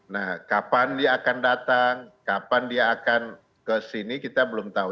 nah kapan dia akan datang kapan dia akan kesini kita belum tahu